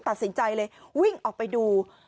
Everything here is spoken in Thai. ตัดสินใจเลยวิ่งออกไปดู